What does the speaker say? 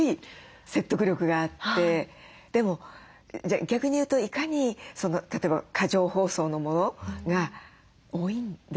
でも逆に言うといかに例えば過剰包装のものが多いんですねって思いました。